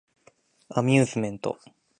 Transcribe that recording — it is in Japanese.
アミューズメント